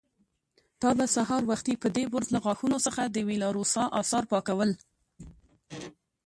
تا به سهار وختي په دې برس له غاښونو څخه د وېلاروسا آثار پاکول.